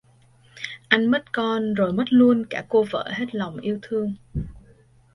Anh mất con rồi mất luôn cả cô vợ hết lòng yêu thương